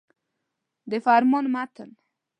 د فرمان متن.